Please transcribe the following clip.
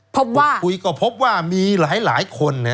พอพูดคุยก็พบว่ามีหลายคน